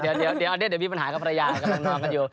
เดี๋ยวมีปัญหากับภรรยากำลังนอนกันอยู่